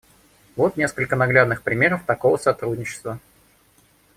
Вот несколько наглядных примеров такого сотрудничества.